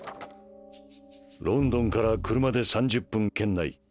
ロンドンから車で３０分圏内。